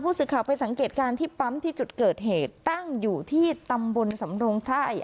สื่อข่าวไปสังเกตการณ์ที่ปั๊มที่จุดเกิดเหตุตั้งอยู่ที่ตำบลสำรงไทย